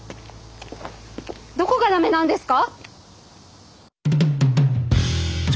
どこが駄目なんですか？